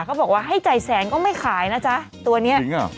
เขาบอกว่าให้จ่ายแสนก็ไม่ขายนะจ๊ะตัวเนี้ยจริงเหรอ